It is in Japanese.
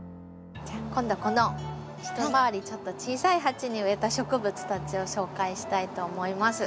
今度はこの一回り小さい鉢に植えた植物たちを紹介したいと思います。